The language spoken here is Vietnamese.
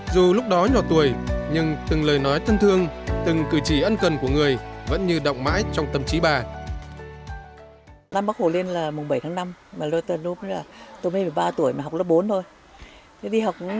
dù lúc đó nhỏ tuổi nhưng từng lời nói thân thương đồng bào các dân tộc tây bắc